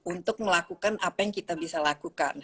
untuk melakukan apa yang kita bisa lakukan